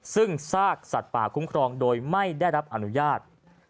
ซึ่งซากสัตว์ป่าคุ้มครองโดยไม่ได้รับอนุญาต